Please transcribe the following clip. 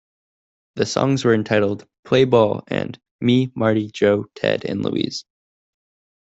The songs were entitled "Play Ball" and "Me, Marty, Joe, Ted and Louise.